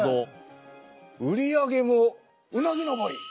売り上げもうなぎ登り。